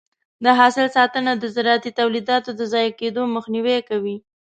د حاصل ساتنه د زراعتي تولیداتو د ضایع کېدو مخنیوی کوي.